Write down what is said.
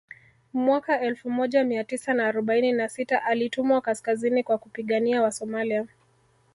Mwaka elfu moja Mia tisa na arobaini na sita alitumwa kaskazini kwa kupigania Wasomalia